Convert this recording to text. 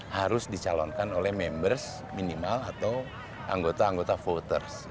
harus dicalonkan oleh members minimal atau anggota anggota voters